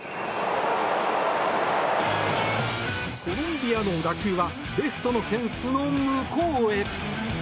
コロンビアの打球はレフトのフェンスの向こうへ。